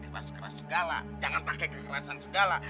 keras keras segala jangan pakai kekerasan segala